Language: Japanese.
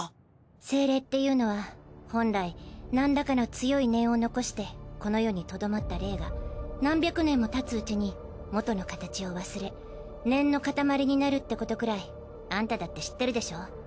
精霊っていうのは本来なんらかの強い念を残してこの世にとどまった霊が何百年も経つうちにもとの形を忘れ念の塊になるってことくらいアンタだって知ってるでしょ？